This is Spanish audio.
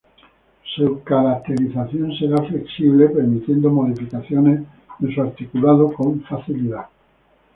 Su caracterización será flexible, permitiendo modificaciones en su articulado con facilidad.